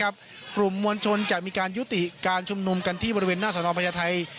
กลุ่มมวลชนจะมีการยุติการชุมนุมกันที่บริเวณหน้าสนพญาไทย